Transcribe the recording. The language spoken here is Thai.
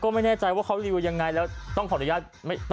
ก็ไม่แน่ใจว่าต้องขออนุญาต